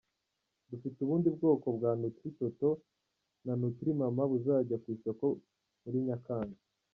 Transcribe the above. Dufite ubundi bwoko bwa Nootri Toto na Nootri Mama buzajya ku isoko muri Nyakanga.